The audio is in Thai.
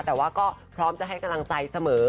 แต่ว่าก็พร้อมจะให้กำลังใจเสมอ